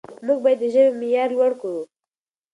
موږ باید د ژبې معیار لوړ کړو.